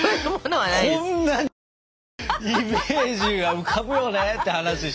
こんなに「イメージが浮かぶよね」って話して。